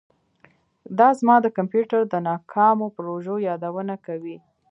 دا زما د کمپیوټر د ناکامو پروژو یادونه کوي